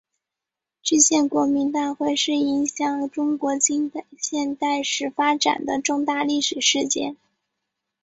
制宪国民大会是影响中国近现代史发展的重大历史事件。